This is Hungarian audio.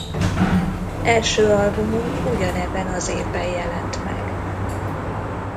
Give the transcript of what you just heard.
Első albumuk ugyanebben az évben jelent meg.